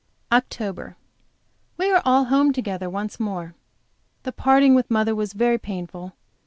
OCTOBER. WE are all at home together once more. The parting with mother was very painful.